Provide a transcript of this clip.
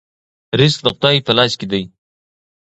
رزق د خدای په لاس کې دی.